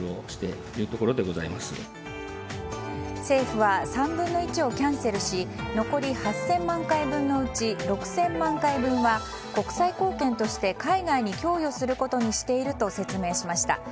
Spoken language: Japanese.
政府は３分の１をキャンセルし残り８０００万回分のうち６０００万回分は国際貢献として海外に供与していることにしていると説明しました。